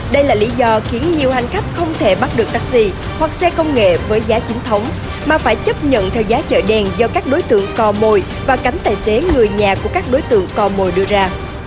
đây là lý do khiến nhiều hành khách không thể bắt được taxi hoặc xe công nghệ với giá chính thống mà phải chấp nhận theo giá chợ đen do các đối tượng cò mồi và cắm tài xế người nhà của các đối tượng co mồi đưa ra